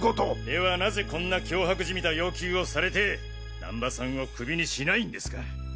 ではなぜこんな脅迫じみた要求をされて難波さんをクビにしないんですか？